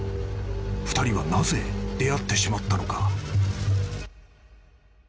［２人はなぜ出会ってしまったのか？］